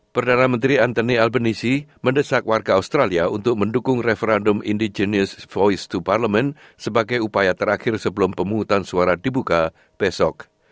perdana menteri anthony albenisi mendesak warga australia untuk mendukung referendum indigenius voice to parliament sebagai upaya terakhir sebelum pemungutan suara dibuka besok